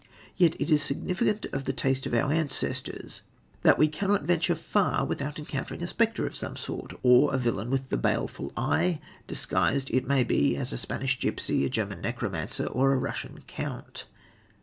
Yet it is significant of the taste of our ancestors that we cannot venture far without encountering a spectre of some sort, or a villain with the baleful eye, disguised, it may be, as a Spanish gipsy, a German necromancer or a Russian count.